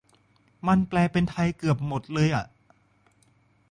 มันแปลเป็นไทยเกือบหมดเลยอ่ะ